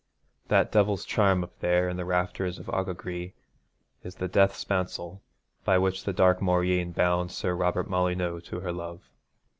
That devil's charm up there in the rafters of Aughagree is the death spancel by which Dark Mauryeen bound Sir Robert Molyneux to her love.